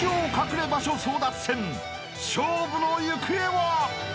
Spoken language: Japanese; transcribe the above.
［勝負の行方は？］